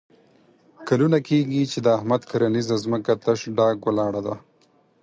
کلونه کېږي چې د احمد کرنیزه ځمکه تش ډاګ ولاړه ده.